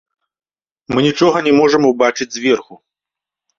Мы нічога не можам убачыць зверху.